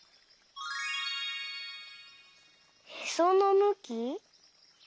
「へそのむき」？